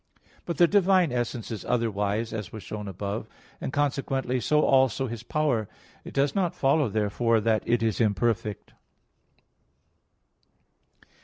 But the divine essence is otherwise, as was shown above (Q. 7, A. 1); and consequently so also His power. It does not follow, therefore, that it is imperfect.